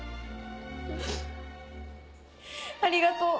うんありがとう。